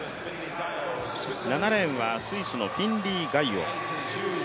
７レーンはスイスのフィンリー・ガイオ。